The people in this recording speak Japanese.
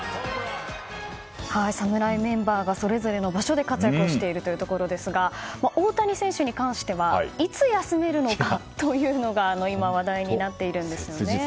侍メンバーがそれぞれの場所で活躍しているところですが大谷選手に関してはいつ休めるのかというのが今、話題になっているんですよね。